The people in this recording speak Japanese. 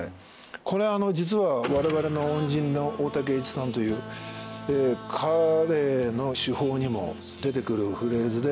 これは実は我々の恩人の大滝詠一さんという彼の手法にも出て来るフレーズで。